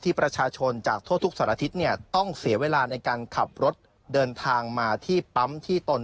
ประชาชนจากทั่วทุกสารทิศเนี่ยต้องเสียเวลาในการขับรถเดินทางมาที่ปั๊มที่ตน